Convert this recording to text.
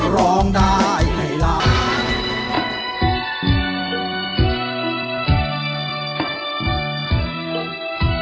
ร้องได้ให้ล้าน